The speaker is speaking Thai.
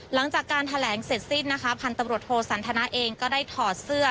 หลังจากการแถลงเสร็จสิ้นนะคะพันธุ์ตำรวจโทสันทนาเองก็ได้ถอดเสื้อ